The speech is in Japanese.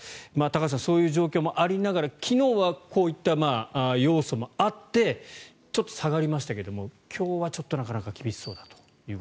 高橋さんそういう状況もありながら昨日はこういった要素もあってちょっと下がりましたけど今日はちょっとなかなか厳しそうだと。